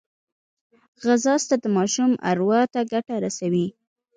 ځغاسته د ماشوم اروا ته ګټه رسوي